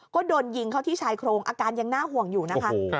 ก็โดนยิงเข้าที่ชายโครงอาการยังน่าห่วงอยู่นะคะ